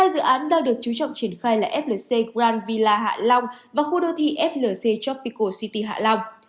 hai dự án đang được chú trọng triển khai là flc grand villa hạ long và khu đô thị flc tropical city hạ long